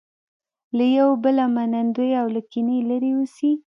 له یو بله منندوی او له کینې لرې اوسي.